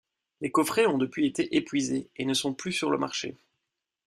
Les coffrets ont depuis été épuisés et ne sont plus sur le marché.